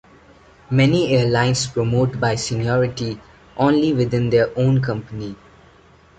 Many airlines promote by seniority only within their own company.